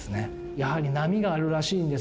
やはり波があるらしいんです。